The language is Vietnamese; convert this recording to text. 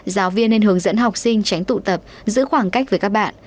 giáo viên nên hướng dẫn học sinh tránh tụ tập giữ khoảng cách với các bạn